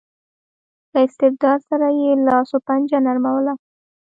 له استبداد سره یې لاس و پنجه نرموله.